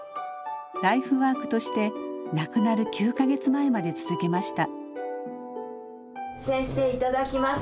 ライフワークとして亡くなる９か月前まで続けました。